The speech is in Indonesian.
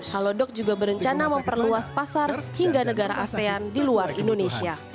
halodoc juga berencana memperluas pasar hingga negara asean di luar indonesia